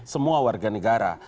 semua warga negara